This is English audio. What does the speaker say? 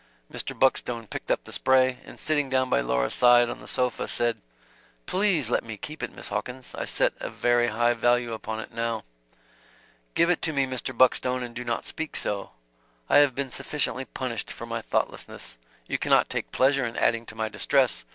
Mr. Buckstone picked up the spray, and sitting down by Laura's side on the sofa, said: "Please let me keep it, Miss Hawkins. I set a very high value upon it now." "Give it to me, Mr. Buckstone, and do not speak so. I have been sufficiently punished for my thoughtlessness. You cannot take pleasure in adding to my distress.